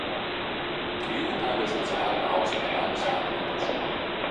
Trijų Italijos nacionalinių aukso medalių savininkas.